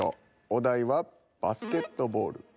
お題はバスケットボール。